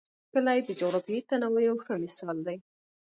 کلي د جغرافیوي تنوع یو ښه مثال دی.